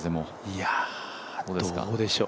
いや、どうでしょ。